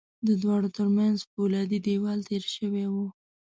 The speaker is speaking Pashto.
د دواړو ترمنځ پولادي دېوال تېر شوی و